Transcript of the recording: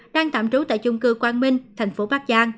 đang tạm trú tại chung cư quang minh thành phố bắc giang